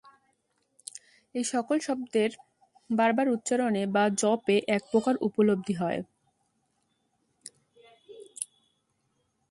এই-সকল শব্দের বার বার উচ্চারণে বা জপে একপ্রকার উপলব্ধি হয়।